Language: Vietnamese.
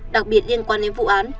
đặc biệt liên quan đến vụ án